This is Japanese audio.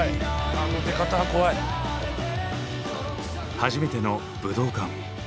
初めての武道館。